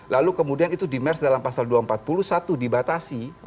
lalu kemudian itu di mers dalam pasal dua ratus empat puluh satu dibatasi